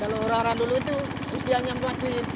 kalau orang orang dulu itu usianya masih tiga belas sudah bisa melaut